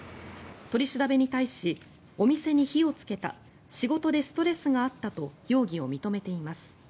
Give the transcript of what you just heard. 取り調べに対しお店に火をつけた仕事でストレスがあったと容疑を認めています。